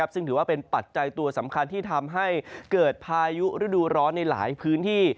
ซึ่งถือว่าเป็นปัจจัยตัวสำคัญที่ทำให้เกิดพายุฤดูร้อนในหลายพื้นที่